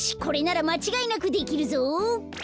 これならまちがいなくできるぞ。